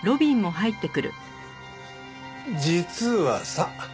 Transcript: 実はさ